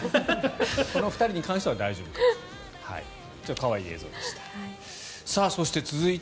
この２人に関しては大丈夫かもしれない。